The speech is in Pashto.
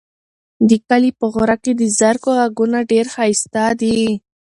د کلي په غره کې د زرکو غږونه ډېر ښایسته دي.